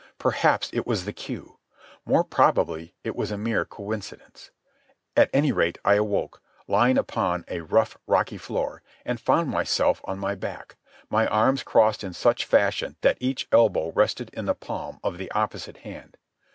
Perhaps it was the cue. More probably it was a mere coincidence. At any rate I awoke, lying upon a rough rocky floor, and found myself on my back, my arms crossed in such fashion that each elbow rested in the palm of the opposite hand.